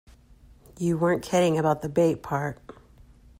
You weren't kidding about the bait part.